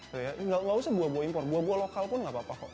tidak usah buah buah impor buah buah lokal pun tidak apa apa